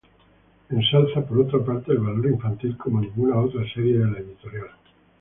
Ensalza, por otra parte, el valor infantil, como ninguna otra serie de la editorial.